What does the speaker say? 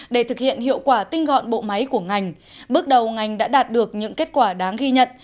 bước đầu ngành đã đạt được những kết quả đáng ghi nhận